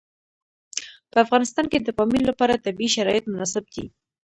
په افغانستان کې د پامیر لپاره طبیعي شرایط مناسب دي.